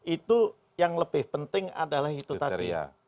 itu yang lebih penting adalah itu tadi